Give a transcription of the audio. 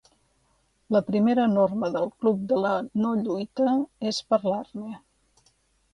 La primera norma del club de la no-lluita és parlar-ne.